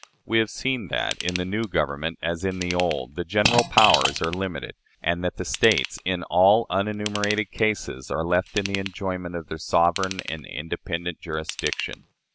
We have seen that, in the new Government as in the old, the general powers are limited; and that the States, in all unenumerated cases, are left in the enjoyment of their sovereign and independent jurisdiction."